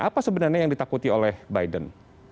apa sebenarnya yang ditakuti oleh biden